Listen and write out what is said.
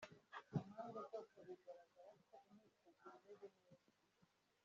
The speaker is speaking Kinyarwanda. Impande zose bigaragara ko imyiteguro imeze neza